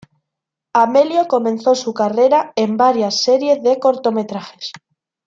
Amelio comenzó su carrera en varias serie de cortometrajes.